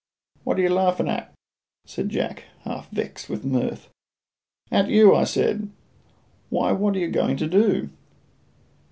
"What are you larfin at?" said Jack, half vexed at my mirth. "At you," I said. "Why, what are you going to do?"